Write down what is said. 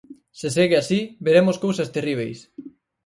Se segue así, veremos cousas terríbeis.